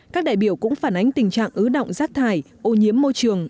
các đại biểu cũng phản ánh tình trạng ứ động rác thải ô nhiễm môi trường